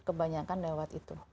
kebanyakan lewat itu